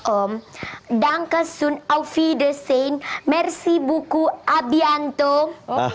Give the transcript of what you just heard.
om danke sun auf wiedersehen merci buku abiantum